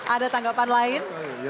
ada tanggapan lain